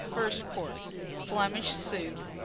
FIRST COURSE. Flemish Soup.